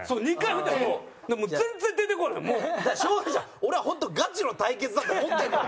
俺は本当ガチの対決だと思ってるんだもん。